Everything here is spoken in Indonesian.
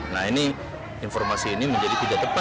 nah ini informasi ini menjadi tidak tepat